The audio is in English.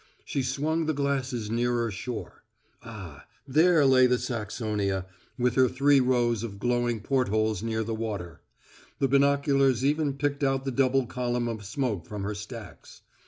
She swung the glasses nearer shore. Ah, there lay the Saxonia, with her three rows of glowing portholes near the water; the binoculars even picked out the double column of smoke from her stacks.